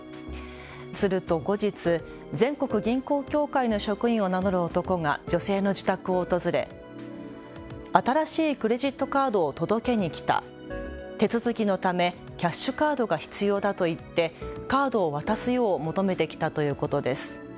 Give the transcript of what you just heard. すると後日、全国銀行協会の職員を名乗る男が女性の自宅を訪れ新しいクレジットカードを届けに来た。手続きのためキャッシュカードが必要だと言って、カードを渡すよう求めてきたということです。